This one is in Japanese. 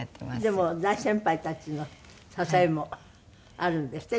でも大先輩たちの支えもあるんですって？